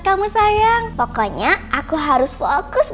kau wijak mbak kewordsin